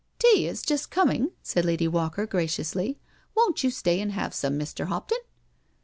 " Tea is just coming," said Lady Walker graciously. " Won*t you stay and have some, Mr. Hopton?"